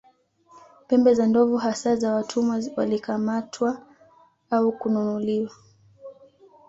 Pembe za ndovu hasa na Watumwa walikamatwa au kununuliwa